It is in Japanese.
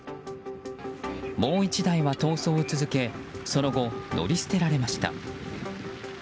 もう１台は逃走を続けその後、乗り捨てられました。